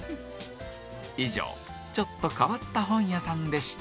以上ちょっと変わった本屋さんでした